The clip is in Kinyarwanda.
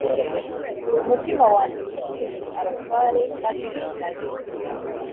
umutima wanjye wishimire abatware b abisirayeli